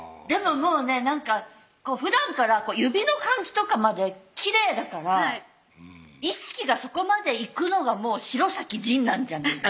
もうねなんかふだんから指の感じとかまできれいだから意識がそこまでいくのがもう城咲仁なんじゃない？